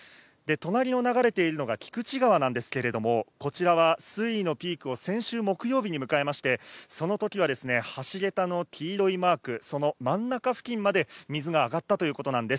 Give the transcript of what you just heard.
隣を流れているのが菊池川なんですけれども、こちらは水位のピークを先週木曜日に迎えまして、そのときは橋桁の黄色いマーク、その真ん中付近まで水が上がったということなんです。